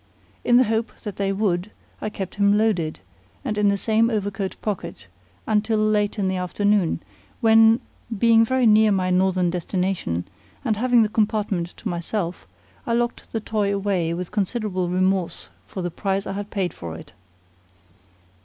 In the hope that they would, I kept him loaded, and in the same overcoat pocket, until late in the afternoon, when, being very near my northern destination, and having the compartment to myself, I locked the toy away with considerable remorse for the price I had paid for it.